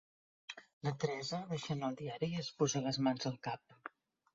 La Teresa deixà anar el diari i es posà les mans al cap.